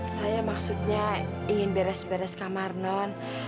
saya maksudnya ingin beres beres kamar non